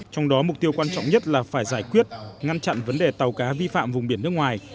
trong đó mục tiêu quan trọng nhất là phải giải quyết ngăn chặn vấn đề tàu cá vi phạm vùng biển nước ngoài